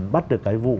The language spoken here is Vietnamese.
bắt được cái vụ